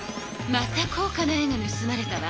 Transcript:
また高かな絵がぬすまれたわ。